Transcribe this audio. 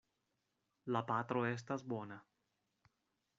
La patro estas bona.